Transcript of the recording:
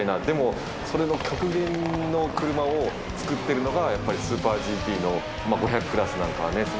でもそれの極限のクルマを作ってるのがやっぱりスーパーＧＴの５００クラスなんかはね。